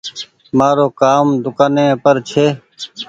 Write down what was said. مآرو ڪآم دڪآن ني پر ڇي